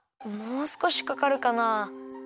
もうすこしかかるかな。